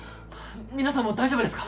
皆さんも大丈夫ですか？